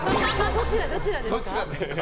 どちらですか？